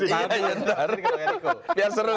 ini ditahan terus